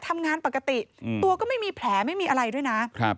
ทำงานปกติตัวก็ไม่มีแผลไม่มีอะไรด้วยนะครับ